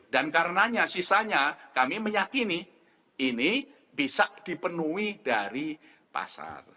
dan karenanya sisanya kami meyakini ini bisa dipenuhi dari pasar